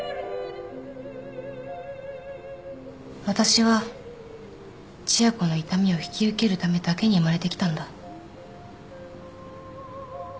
私は千夜子の痛みを引き受けるためだけに生まれてきたんだ。